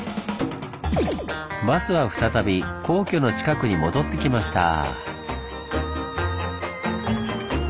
バスは再び皇居の近くに戻ってきました。